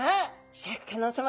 シャーク香音さま